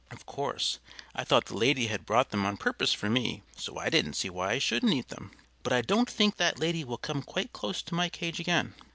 Of course, I thought the lady had brought them on purpose for me, so I didn't see why I shouldn't eat them. But I don't think that lady will come quite close to my cage again.